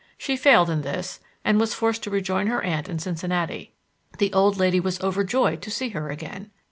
She failed in this, and was forced to rejoin her aunt in Cincinnati, The old lady was overjoyed to see her again.